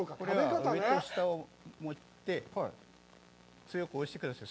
上と下を持って、それを押してください。